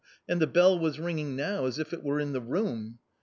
And the bell was ringing now as if it were in the room.